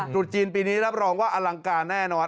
จุดจีนปีนี้รับรองว่าอลังการแน่นอน